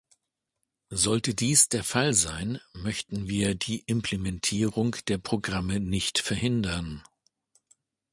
Sollte dies der Fall sein, möchten wir die Implementierung der Programme nicht verhindern.